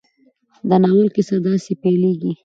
د ناول کیسه داسې پيلېږي.